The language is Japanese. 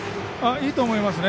いいと思いますね。